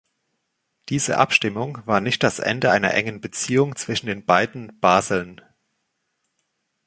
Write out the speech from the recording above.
Diese Abstimmung war nicht das Ende einer engen Beziehung zwischen den beiden Baseln.